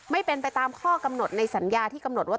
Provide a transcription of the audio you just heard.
ไม่เป็นไปตามข้อกำหนดในสัญญาที่กำหนดว่า